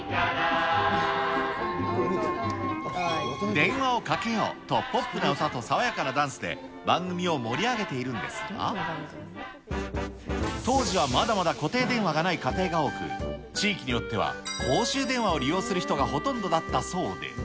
電話をかけようとポップな歌と爽やかなダンスで番組を盛り上げているんですが、当時はまだまだ固定電話がない家庭が多く、地域によっては公衆電話を利用する人がほとんどだったそうで。